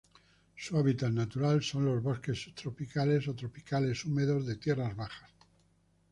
Su hábitat natural son los bosques subtropicales o tropicales húmedos de tierras bajas.